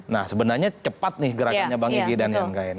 nah sebenarnya cepat nih gerakannya bang egy dan yang kaya ini